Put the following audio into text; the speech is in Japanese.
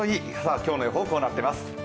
今日の予報はこうなっています。